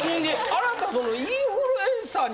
あなた。